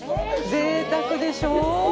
ぜいたくでしょう？